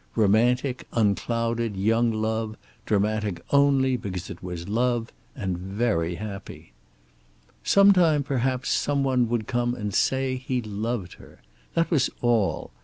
Romantic, unclouded young love dramatic only because it was love, and very happy. Sometime, perhaps, some one would come and say he loved her. That was all.